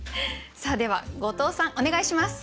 では後藤さんお願いします。